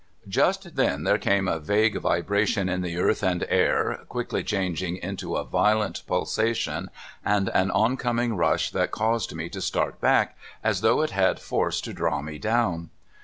Just then there came a vague vibration in the earth and air, quickly changing into a violent pulsation, and an oncoming rush that caused me to start back, as though it had force to draw me down.